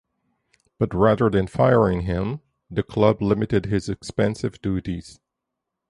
But rather than firing him, the club limited his expansive duties.